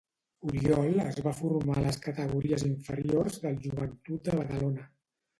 Oriol es va formar a les categories inferiors del Joventut de Badalona.